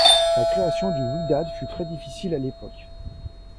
La création du Wydad fut très difficile à l'époque.